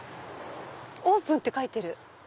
オープンって書いてる。